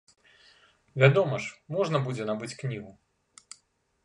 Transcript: Вядома ж, можна будзе набыць кнігу.